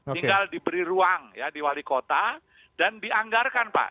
tinggal diberi ruang ya di wali kota dan dianggarkan pak